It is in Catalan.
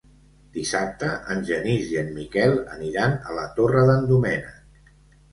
Dissabte en Genís i en Miquel aniran a la Torre d'en Doménec.